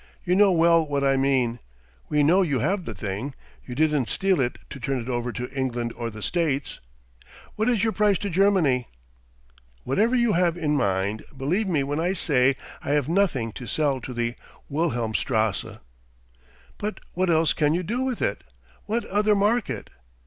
You know well what I mean. We know you have the thing. You didn't steal it to turn it over to England or the States. What is your price to Germany?" "Whatever you have in mind, believe me when I say I have nothing to sell to the Wilhelmstrasse." "But what else can you do with it? What other market